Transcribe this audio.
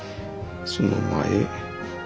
その前。